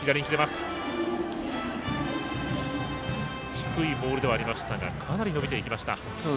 低いボールではありましたがかなり伸びていきました。